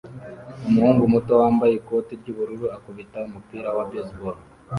Umuhungu muto wambaye ikoti ry'ubururu akubita umupira wa baseball